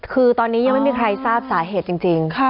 คือตอนนี้ยังไม่มีใครทราบสาเหตุจริง